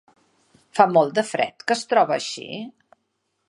Fa molt de fred que es troba així?